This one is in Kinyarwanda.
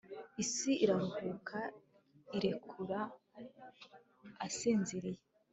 isi iraruhuka, irekura; asinziriye